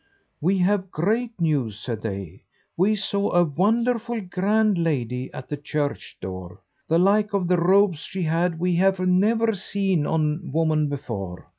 "We have great news," said they. "We saw a wonderful grand lady at the church door. The like of the robes she had we have never seen on woman before.